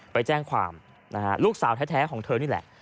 ไปแจ้งความนะฮะลูกสาวแท้ของเธอนี่แหละ